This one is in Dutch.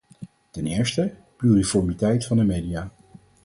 Ten eerste: pluriformiteit van de media.